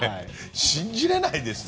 信じられないですね。